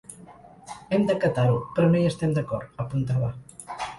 “Hem d’acatar-ho, però no hi estem d’acord”, apuntava.